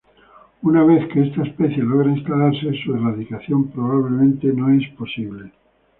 Una vez que esta especie logra instalarse, su erradicación probablemente no es posible.